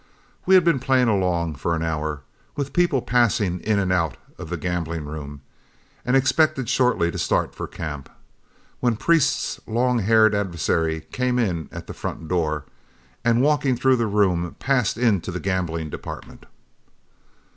We had been playing along for an hour, with people passing in and out of the gambling room, and expected shortly to start for camp, when Priest's long haired adversary came in at the front door, and, walking through the room, passed into the gambling department.